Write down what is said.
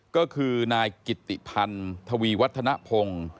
ก็คือนายกิติพันธวีวัฒนภง